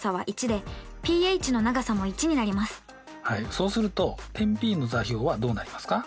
そうすると点Ｐの座標はどうなりますか？